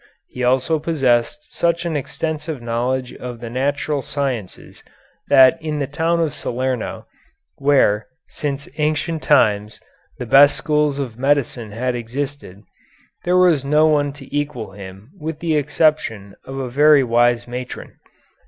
He also possessed such an extensive knowledge of the natural sciences that in the town of Salerno, where, since ancient times, the best schools of medicine had existed, there was no one to equal him with the exception of a very wise matron."